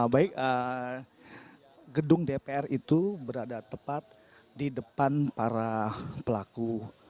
baik gedung dpr itu berada tepat di depan para pelaku